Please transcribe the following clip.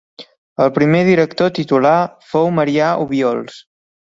El primer director titular fou Marià Obiols.